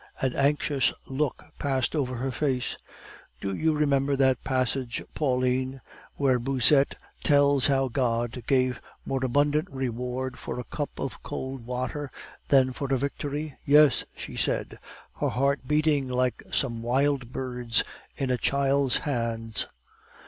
(An anxious look passed over her face.) 'Do you remember that passage, Pauline, where Bossuet tells how God gave more abundant reward for a cup of cold water than for a victory?' "'Yes,' she said, her heart beating like some wild bird's in a child's hands.